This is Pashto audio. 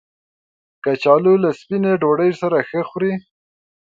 کچالو له سپینې ډوډۍ سره ښه خوري